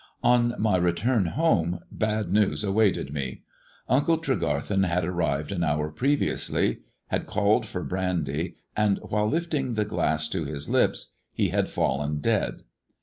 On my return home bad news awaited me. Uncle Tregarthen had arrived an hour previously, had called for brandy, and while lifting the glass to his lips he had fallen dead.